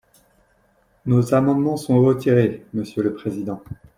Nos amendements sont retirés, monsieur le président.